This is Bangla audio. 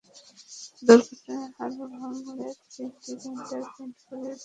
দুর্ঘটনায় হাড় ভাঙলে থ্রিডি প্রিন্টারে প্রিন্ট করিয়ে নেওয়া যাবে কৃত্রিম হাড়।